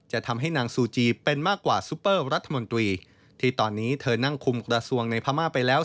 ทำให้นางซูจีเป็นมากกว่าซุปเปอร์รัฐมนตรีที่ตอนนี้เธอนั่งคุมกระทรวงในพม่าไปแล้ว